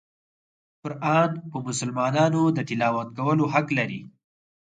قرآن په مسلمانانو د تلاوت کولو حق لري.